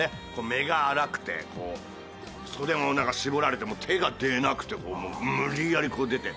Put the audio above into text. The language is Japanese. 目が粗くてこう袖もなんか絞られてもう手が出なくて無理やりこう出て。